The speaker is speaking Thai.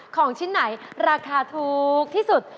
ของชิ้นไหนราคาถูกที่สุด